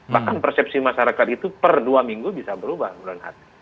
bahkan persepsi masyarakat itu per dua minggu bisa berubah bu renhat